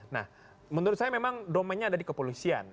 nah menurut saya memang domainnya ada di kepolisian